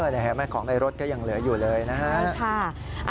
แม่ของในรถก็ยังเหลืออยู่เลยนะฮะ